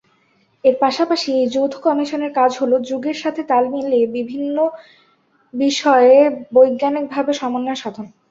এর পাশাপাশি এই যৌথ কমিশনের কাজ হল, যুগের সাথে তাল মিলিয়ে বিভিন্ন বিষয়ে বৈজ্ঞানিকভাবে সমন্বয় সাধন।